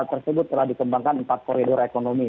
tersebut telah dikembangkan empat koridor ekonomi